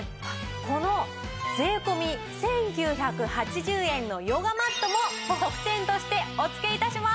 この税込１９８０円のヨガマットも特典としてお付け致します。